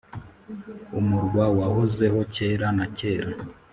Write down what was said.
umurwa wahozeho kera na kare,